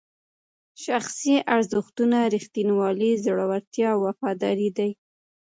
شخصي ارزښتونه ریښتینولي، زړورتیا او وفاداري دي.